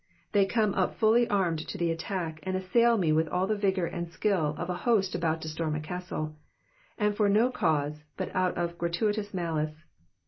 They come up fully armed to the attack, and assail me with all the vigour and skill of a host about to storm a castle ; and all for no cause, but out of gratuitous malice.